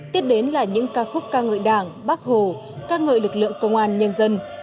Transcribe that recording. tiếp đến là những ca khúc ca ngợi đảng bác hồ ca ngợi lực lượng công an nhân dân